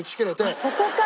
あっそこか！